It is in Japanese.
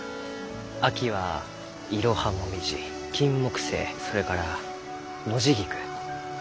秋はイロハモミジキンモクセイそれからノジギク。